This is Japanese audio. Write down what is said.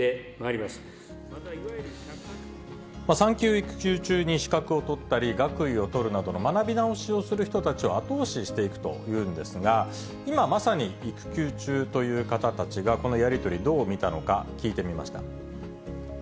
ま産休・育休中に資格を取ったり、学位を取るなどの学び直しをする人たちを後押ししていくというんですが、今まさに育休中という方たちが、このやり取りどう見たのか、聞いてみました。